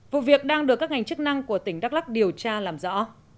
vụ việc đang được các ngành chức năng của tỉnh đắk lắc điều tra làm rõ